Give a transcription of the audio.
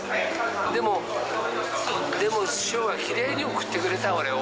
でも、でも、師匠はきれいに送ってくれた、俺を。